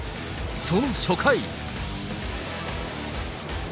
その初回。